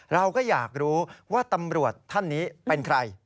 เราก็อยากรู้ว่าตำรวจท่านนี้เป็นใคร